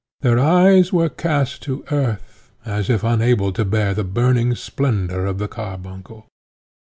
Their eyes were cast to earth, as if unable to bear the burning splendour of the carbuncle.